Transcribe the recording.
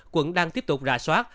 quận đang tiếp tục rà soát